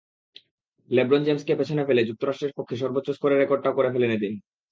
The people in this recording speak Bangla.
লেব্রন জেমসকে পেছনে ফেলে যুক্তরাষ্ট্রের পক্ষে সর্বোচ্চ স্কোরের রেকর্ডটাও করে ফেললেন এদিন।